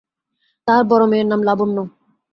তাঁহার বড়ো মেয়ের নাম লাবণ্য।